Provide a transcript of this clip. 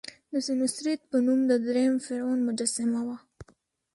د سینوسریت په نوم د دریم فرعون مجسمه وه.